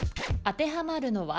当てはまるのは？